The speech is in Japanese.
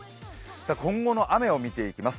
今後の雨を見ていきます。